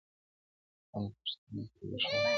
نن پښتون پر ویښېدو دی-